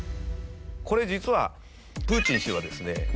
これ実はプーチン氏はですね